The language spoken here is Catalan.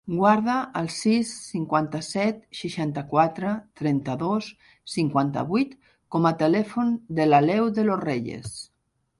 Guarda el sis, cinquanta-set, seixanta-quatre, trenta-dos, cinquanta-vuit com a telèfon de l'Aleu De Los Reyes.